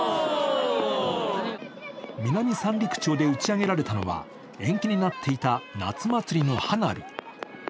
南三陸町で打ち上げられたのは延期になっていた夏祭りの花火。